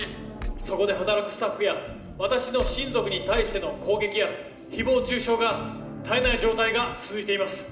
そこで働くスタッフや私の親族に対しての攻撃や誹謗中傷が絶えない状態が続いています。